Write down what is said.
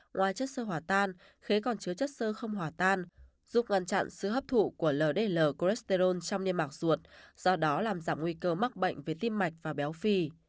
ngoài chất sơ hỏa tan khế còn chứa chất sơ không hòa tan giúp ngăn chặn sự hấp thụ của ld cholesterol trong niêm mạc ruột do đó làm giảm nguy cơ mắc bệnh về tim mạch và béo phì